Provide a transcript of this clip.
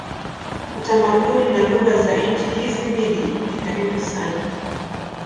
Utamaduni na lugha za nchi hizi mbili ni karibu sana.